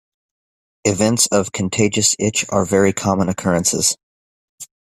Events of "contagious itch" are very common occurrences.